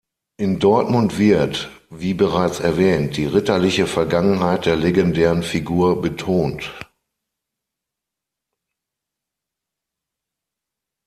In Dortmund wird, wie bereits erwähnt, die ritterliche Vergangenheit der legendären Figur betont.